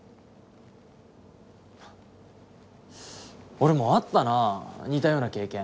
俺もあったな似たような経験。